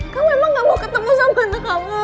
kamu emang gak mau ketemu sama anak kamu